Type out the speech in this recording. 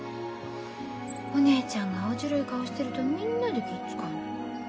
お姉ちゃんが青白い顔してるとみんなで気ぃ遣うのに。